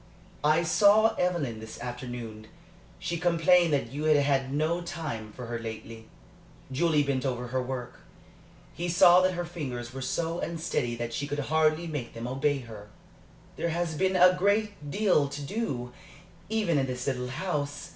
"I saw Evelyn this afternoon. She complained that you had had no time for her lately." Julie bent over her work. He saw that her fingers were so unsteady that she could hardly make them obey her. "There has been a great deal to do, even in this little house.